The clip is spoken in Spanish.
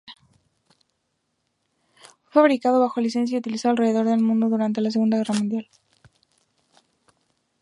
Fue fabricado bajo licencia y utilizado alrededor del mundo durante la Segunda Guerra Mundial.